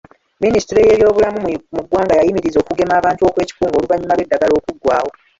Minisitule y’ebyobulamu mu ggwanga yayimiriza okugema abantu okwekikungo oluvannyuma lw’eddagala okuggwaawo.